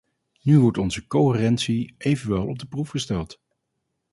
Nu wordt onze coherentie evenwel op de proef gesteld.